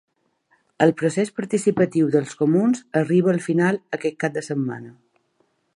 El procés participatiu dels comuns arriba al final aquest cap de setmana.